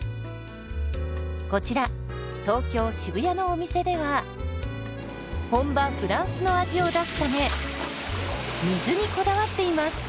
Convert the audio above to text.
こちら東京・渋谷のお店では本場フランスの味を出すため水にこだわっています。